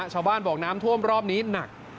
ชาวบ้านบอกน้ำท่วมรอบนี้หนัก